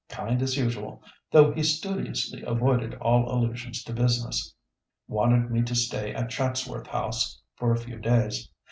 Kind as usual, though he studiously avoided all allusion to business; wanted me to stay at Chatsworth House for a few days.